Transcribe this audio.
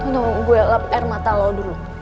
tunggu tunggu gue lap air mata lo dulu